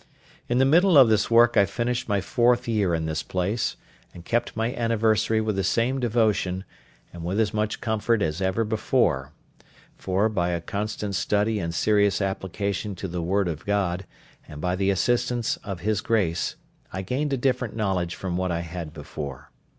In the middle of this work I finished my fourth year in this place, and kept my anniversary with the same devotion, and with as much comfort as ever before; for, by a constant study and serious application to the Word of God, and by the assistance of His grace, I gained a different knowledge from what I had before.